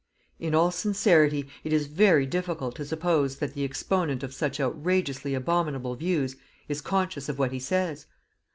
In all sincerity, it is very difficult to suppose that the exponent of such outrageously abominable views is conscious of what he says.